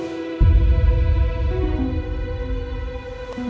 ini buat kamu